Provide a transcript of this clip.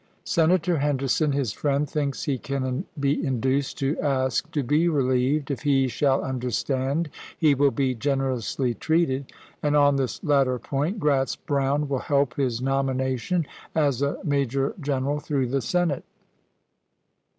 Senator Henderson, his friend, thinks he can be induced to ask to be relieved, if he shall understand he will be generously treated ; and, on this latter point, Gratz Brown will help his nomination, as a major gen eral, through the Senate.